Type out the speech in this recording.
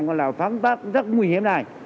gọi là phán tác rất nguy hiểm này